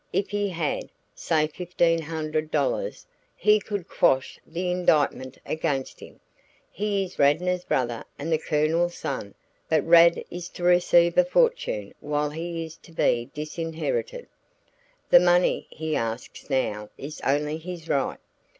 If he had, say fifteen hundred dollars, he could quash the indictment against him. He is Radnor's brother and the Colonel's son, but Rad is to receive a fortune while he is to be disinherited. The money he asks now is only his right.